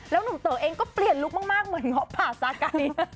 หนุ่มเต๋อเองก็เปลี่ยนลุคมากเหมือนเงาะป่าซากัน